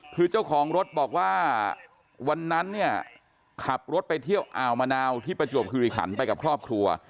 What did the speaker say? คือเจ้าของรถบอกว่าวันนั้นเนี่ยขับรถไปเที่ยวอ่าวมะนาวที่ประจวบคิริขันไปกับครอบครัว